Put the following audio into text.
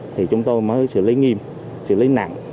thì chúng tôi mới xử lý nghiêm xử lý nặng